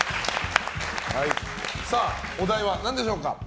お題は何でしょうか。